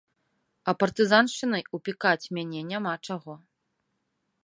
А партызаншчынай упікаць мяне няма чаго.